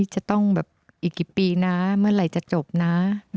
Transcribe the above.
จะต้องแบบอีกกี่ปีนะเมื่อไหร่จะจบนะ